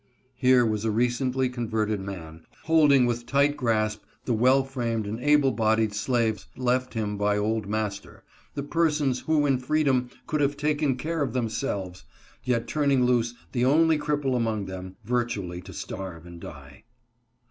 Here was a recently converted man, holding with tight grasp 138 WHIPPING NOT IMPROVING. the well framed and able bodied slaves left him by old master — the persons who in freedom could have taken care of themselves; yet turning loose the only cripple among them, virtually to starve and die.